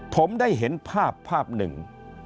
ผมได้เห็นภาพภาพหนึ่ง